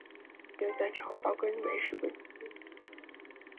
有研究将少孢根霉视为的变种。